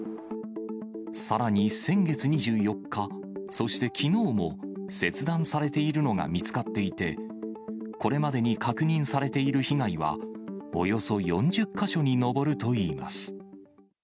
さらに先月２４日、そしてきのうも、切断されているのが見つかっていて、これまでに確認されている被害は、およそ４０か所に上るといいます。